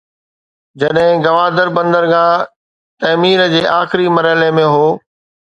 جڏهن گوادر بندرگاهه تعمير جي آخري مرحلي ۾ هو.